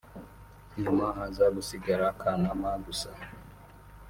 nyuma haza gusigara Kanama gusa